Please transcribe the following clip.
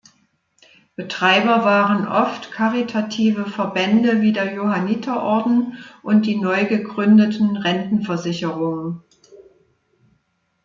Betreiber waren oft karitative Verbände wie der Johanniterorden und die neu gegründeten Rentenversicherungen.